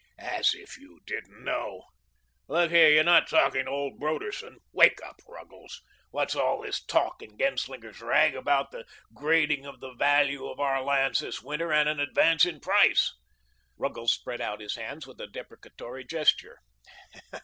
"As if you didn't know. Look here, you're not talking to old Broderson. Wake up, Ruggles. What's all this talk in Genslinger's rag about the grading of the value of our lands this winter and an advance in the price?" Ruggles spread out his hands with a deprecatory gesture.